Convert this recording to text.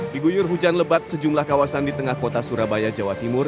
di guyur hujan lebat sejumlah kawasan di tengah kota surabaya jawa timur